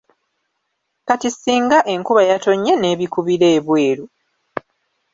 Kati singa enkuba yatonnye n’ebikubira ebweru?